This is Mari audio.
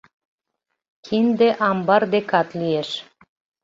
Кинде амбар декат лиеш.